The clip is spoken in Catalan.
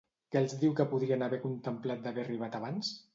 Què els diu que podrien haver contemplat d'haver arribat abans?